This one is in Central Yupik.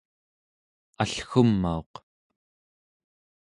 allgumauq